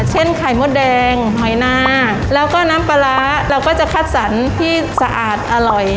ไข่มดแดงหอยนาแล้วก็น้ำปลาร้าเราก็จะคัดสรรที่สะอาดอร่อย